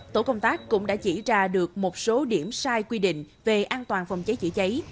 tổ công tác cũng đã chỉ ra được một số điểm sai quy định về an toàn phòng cháy chữa cháy